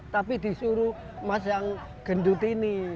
tapi disuruh mas yang gendut ini